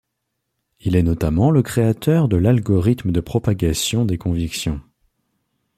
Il est notamment le créateur de l'algorithme de propagation des convictions.